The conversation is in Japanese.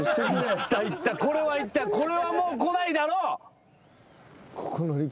いったいったこれはいったこれはもう来ないだろう。